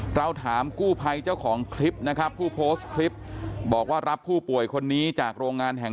เราถามกู้ภัยเจ้าของคลิปนะครับผู้โพสต์คลิปบอกว่ารับผู้ป่วยคนนี้จากโรงงานแห่ง